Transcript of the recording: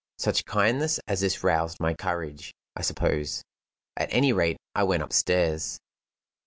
Such kindness as this roused my courage, I suppose. At any rate, I went upstairs.